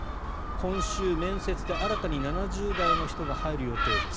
今週、面接で新たに７０代の人が入る予定です。